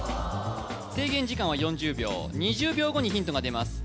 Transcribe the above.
制限時間は４０秒２０秒後にヒントが出ます